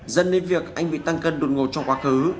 dẫn đến việc anh bị tăng cân đột ngột trong quá khứ